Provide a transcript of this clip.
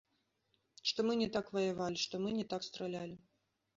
Што мы не так ваявалі, што мы не так стралялі.